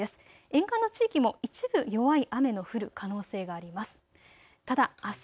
沿岸の地域も一部、弱い雨の降る可能性があります。